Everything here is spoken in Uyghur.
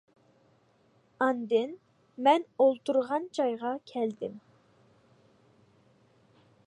ئاندىن مەن ئۇ ئولتۇرغان جايغا كەلدىم.